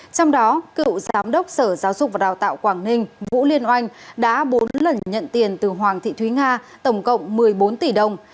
trong đó cựu giám đốc sở giáo dục và đào tạo quảng ninh vũ liên oanh đã bốn lần nhận tiền từ hoàng thị thúy nga tổng cộng một mươi bốn tỷ đồng